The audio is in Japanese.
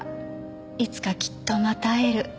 いつかきっとまた会える。